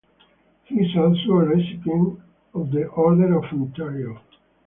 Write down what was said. He is also a recipient of the Order of Ontario.